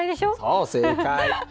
そう正解。